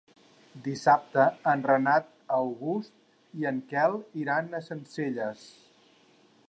Dissabte en Renat August i en Quel iran a Sencelles.